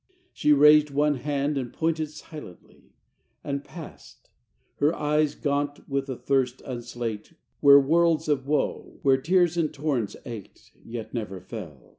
VII She raised one hand and pointed silently, And passed; her eyes, gaunt with a thirst unslaked, Were worlds of woe, where tears in torrents ached, Yet never fell.